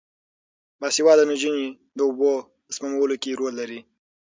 باسواده نجونې د اوبو په سپمولو کې رول لري.